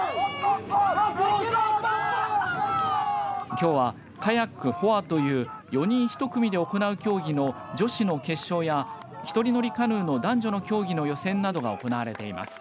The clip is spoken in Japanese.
きょうは、カヤックフォアという４人１組で行う競技の女子の決勝や１人乗りカヌーの男女の競技の予選などが行われています。